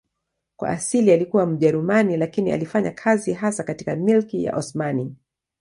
Kwa asili alikuwa Mjerumani lakini alifanya kazi hasa katika Milki ya Osmani.